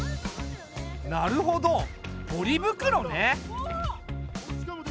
なるほどポリ袋ね。